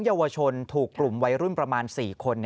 เยาวชนถูกกลุ่มวัยรุ่นประมาณ๔คน